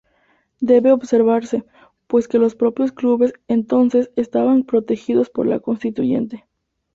Debe observarse pues que los propios clubes entonces estaban protegidos por la Constituyente.